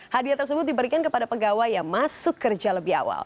hadiah tersebut diberikan kepada pegawai yang masuk kerja lebih awal